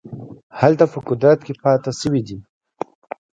هلته په قدرت کې پاته شوي دي.